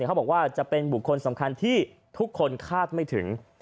เขาบอกว่าจะเป็นบุคคลสำคัญที่ทุกคนคาดไม่ถึง